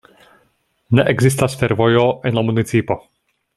Ne ekzistas fervojo en la municipo.